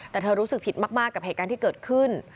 แต่เธอรู้สึกผิดมากกับเหตุการณ์ที่เกิดขึ้น